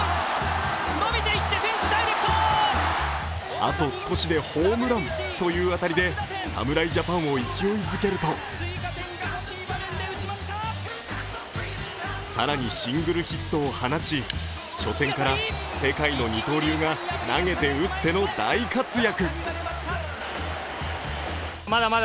あと少しでホームランという当たりで侍ジャパンを勢いづけると更にシングルヒットを放ち、初戦から世界の二刀流が投げて打っての大活躍。